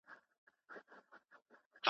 دوی کولای سول چي پاچاهان له واکه لیرې کړي.